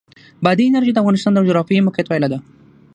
بادي انرژي د افغانستان د جغرافیایي موقیعت پایله ده.